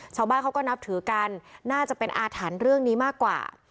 ชาวบ้านเขาก็นับถือกันน่าจะเป็นอาถรรพ์เรื่องนี้มากกว่า